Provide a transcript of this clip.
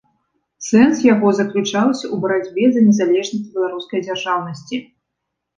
Сэнс яго заключаўся ў барацьбе за незалежнасць беларускай дзяржаўнасці.